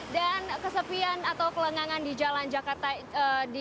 dan kesepian atau kelengangan di jalan jakarta di bundaran hi